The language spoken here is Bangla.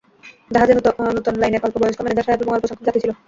জাহাজে নূতন লাইনের অল্পবয়স্ক ম্যানেজার সাহেব এবং অল্পসংখ্যক যাত্রী ছিল।